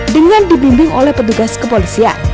dengan dibimbing oleh petugas kepolisian